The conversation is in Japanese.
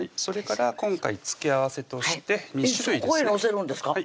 それから今回付け合わせとして２種類です